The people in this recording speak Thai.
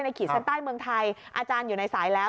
ขีดเส้นใต้เมืองไทยอาจารย์อยู่ในสายแล้ว